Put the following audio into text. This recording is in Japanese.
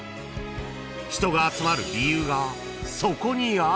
［人が集まる理由がそこにある］